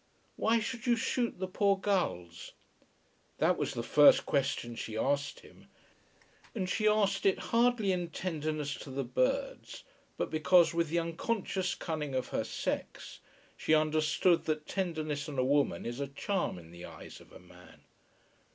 "Why should you shoot the poor gulls?" That was the first question she asked him; and she asked it hardly in tenderness to the birds, but because with the unconscious cunning of her sex she understood that tenderness in a woman is a charm in the eyes of a man.